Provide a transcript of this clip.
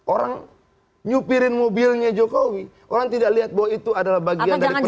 orang nyupirin mobilnya jokowi orang tidak lihat bahwa itu adalah bagian dari politik